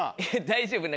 大丈夫？